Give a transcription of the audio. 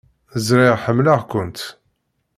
Ẓriɣ ḥemmleɣ-kent.